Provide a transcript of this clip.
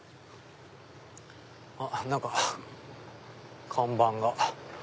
あっ何か看板が。